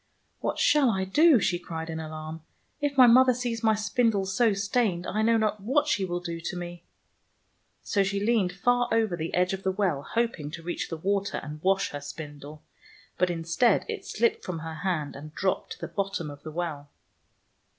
'' What shall I do? " she cried in alarm. " If my mother sees my spindle so stained, I know not what she will do to me ! So she leaned far over the edge of the well, hoping to reach the water and wash her spindle, but instead it slipped from her hand and dropped to the bottom of the well.